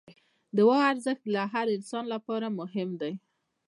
د دعا ارزښت د هر انسان لپاره مهم دی.